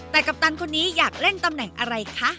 แต่กัปตันคนนี้อยากเล่นตำแหน่งอะไรคะ